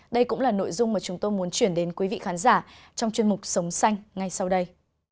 đây cũng là nội dung mà chúng tôi muốn chuyển đến quý vị khán giả trong chuyên mục sống xanh ngay sau đây